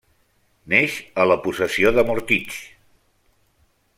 Neix a la possessió de Mortitx.